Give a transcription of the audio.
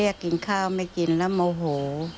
กินข้าวไม่กินแล้วโมโห